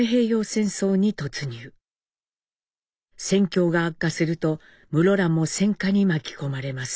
戦況が悪化すると室蘭も戦禍に巻き込まれます。